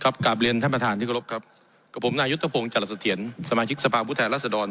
ครับกลับเลียนให้ประเทศครับผมนายวนวงจรสเตียนสมาชิกสภาพภูทยาลาศดร